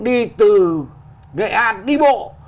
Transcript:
đi từ nghệ an đi bộ